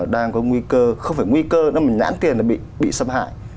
đang có nguy cơ không phải nguy cơ nhưng mà nhãn tiền là bị sập hại